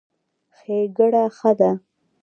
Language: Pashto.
ښېګړه ښه ده.